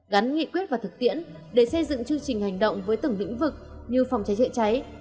gắn nghị quyết và thực tiễn để xây dựng chương trình hành động với từng lĩnh vực như phòng cháy chữa cháy